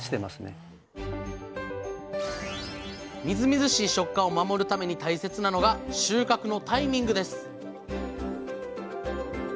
みずみずしい食感を守るために大切なのが収穫のタイミングです